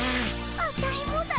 アタイもだよ。